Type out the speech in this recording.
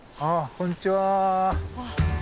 こんにちは。